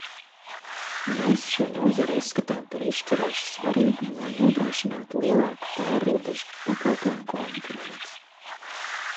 Mēs šo nozari uzskatām par izšķiroši svarīgu, lai nodrošinātu lielāku pārrobežu pakalpojumu konkurenci.